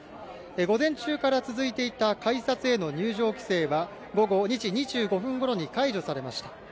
午前中から続いていた改札への入場規制は午後２時２５分ごろに解除されました。